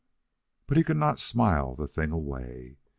But he could not smile the thing away.